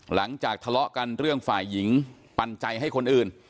หลังจากทะเลาะกันเรื่องฝ่ายหญิงปันใจให้คนอื่น